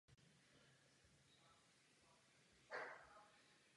Nejvíce druhů se vyskytuje ve východní Asii.